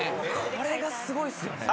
「これがすごいっすよね」